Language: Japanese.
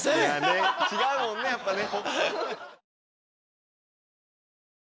違うもんねやっぱね。